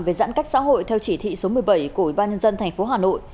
về giãn cách xã hội theo chỉ thị số một mươi bảy của bà nhân dân tp hà nội